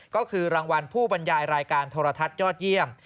ก็คือรางวัลผู้บรรยายรายการโทรทัศน์ยอดเยี่ยม